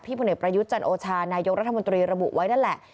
พี่บุญเนยประยุทธ์จันโอชานายโยครัฐมนตรีระบุไว้นั่นแหละ